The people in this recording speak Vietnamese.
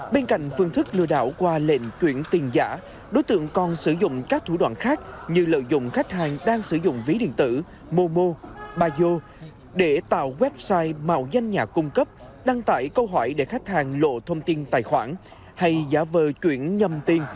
bên cạnh phương thức lừa đảo qua lệnh chuyển tiền giả đối tượng còn sử dụng các thủ đoạn khác như lợi dụng khách hàng đang sử dụng ví điện tử momo bayo để tạo website mạo danh nhà cung cấp đăng tải câu hỏi để khách hàng lộ thông tin tài khoản hay giả vờ chuyển nhầm tiền